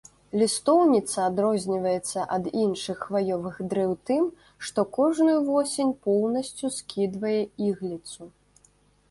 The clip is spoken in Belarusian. Лістоўніца адрозніваецца ад іншых хваёвых дрэў тым, што кожную восень поўнасцю скідвае ігліцу.